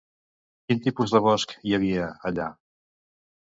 Quin tipus de bosc hi havia, allà?